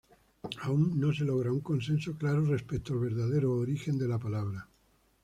Aún no se logra un consenso claro respecto al verdadero origen de la palabra.